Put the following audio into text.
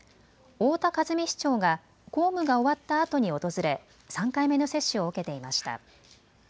太田和美市長が公務が終わったあとに訪れ３回目の接種を受けていました。